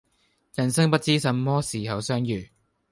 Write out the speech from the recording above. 人生不知什麼時候相遇